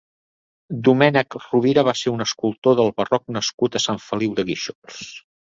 Domènec Rovira va ser un escultor del barroc nascut a Sant Feliu de Guíxols.